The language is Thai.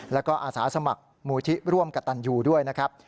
แล้วก็อาสาสมัครมูลที่ร่วมกับตันยูด้วยนะครับ